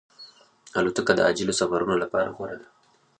الوتکه د عاجلو سفرونو لپاره غوره ده.